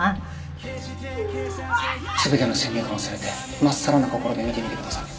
全ての先入観を忘れて真っさらな心で見てみてください。